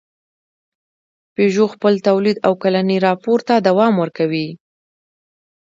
پيژو خپل تولید او کلني راپور ته دوام ورکوي.